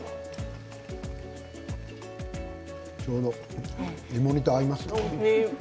ちょうど芋煮と合います。